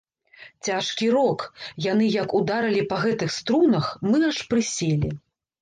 Цяжкі рок, яны як ударылі па гэтых струнах, мы аж прыселі.